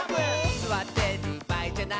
「すわってるばあいじゃない」